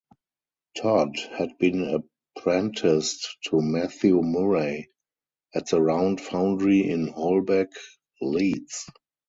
Todd had been apprenticed to Matthew Murray at the Round Foundry in Holbeck, Leeds.